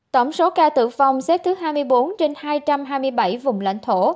tổng số ca tử vong xếp thứ hai mươi bốn trên hai trăm hai mươi bảy vùng lãnh thổ